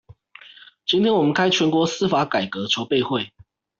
今天我們開全國司法改革籌備會